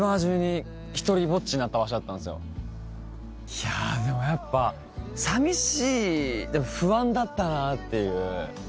いやでもやっぱ寂しい不安だったなっていう。